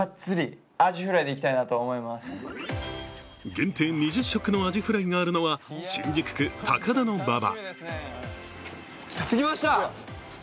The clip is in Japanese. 限定２０食のアジフライがあるのは新宿区高田馬場。